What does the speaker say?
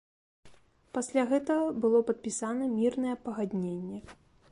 Пасля гэтага было падпісана мірнае пагадненне.